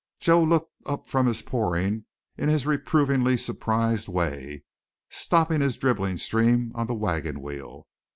Joe looked up from his pouring in his reprovingly surprised way, stopping his dribbling stream on the wagon wheel.